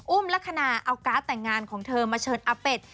ลักษณะเอาการ์ดแต่งงานของเธอมาเชิญอาเป็ด